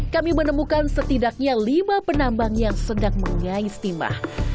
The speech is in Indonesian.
kami menemukan setidaknya lima penambang yang sedang mengais timah